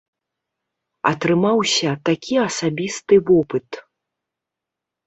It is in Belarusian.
Атрымаўся такі асабісты вопыт.